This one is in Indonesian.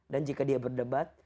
dan jika dia berdebat